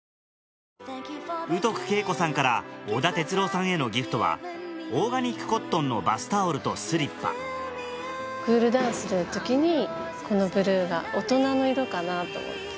宇徳敬子さんから織田哲郎さんへのギフトはオーガニックコットンのバスタオルとスリッパクールダウンする時にこのブルーが大人の色かなと思って。